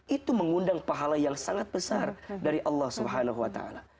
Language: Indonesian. itu mengundang pahala yang sangat besar dari allah swt